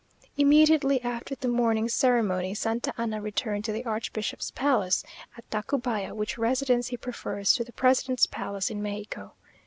Immediately after the morning ceremony, Santa Anna returned to the archbishop's palace at Tacubaya; which residence he prefers to the president's palace in Mexico.